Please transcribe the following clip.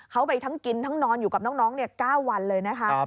เขาไปทั้งกินทั้งนอนอยู่กับน้อง๙วันเลยนะคะ